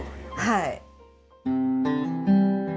はい。